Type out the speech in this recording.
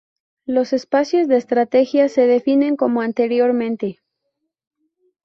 Los espacios de estrategias se definen como anteriormente.